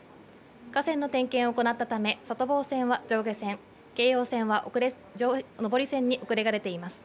架線の点検を行ったため、外房線は上下線、京葉線は上り線に遅れが出ています。